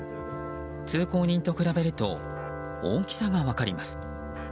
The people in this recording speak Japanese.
通行人と比べると大きさが分かります。